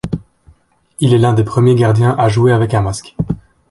Il est l'un des premiers gardiens à jouer avec un masque.